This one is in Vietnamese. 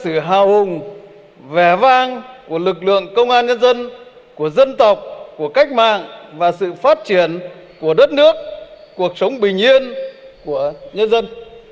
sự hào hùng vẻ vang của lực lượng công an nhân dân của dân tộc của cách mạng và sự phát triển của đất nước cuộc sống bình yên của nhân dân